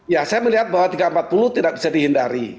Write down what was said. ya saya melihat bahwa tiga ratus empat puluh tidak bisa dihindari